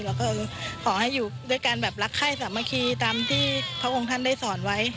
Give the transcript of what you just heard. แล้วก็ขอให้อยู่ด้วยการแบบรักไข้สามัคคีตามที่พระองค์ท่านได้สอนไว้